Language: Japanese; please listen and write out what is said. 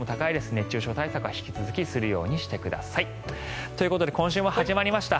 熱中症対策は引き続きするようにしてください。ということで今週もはじまりました。